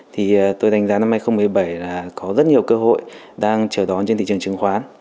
thì tôi đánh giá năm hai nghìn một mươi bảy là có rất nhiều cơ hội đang chờ đón trên thị trường chứng khoán